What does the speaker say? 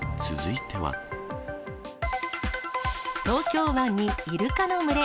東京湾にイルカの群れ。